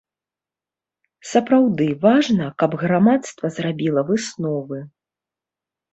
Сапраўды, важна, каб грамадства зрабіла высновы.